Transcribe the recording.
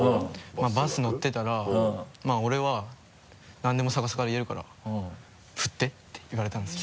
バス乗ってたら「俺はなんでも逆さから言えるから振って」って言われたんですよ。